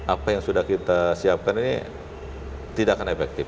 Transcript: apa yang sudah kita siapkan ini tidak akan efektif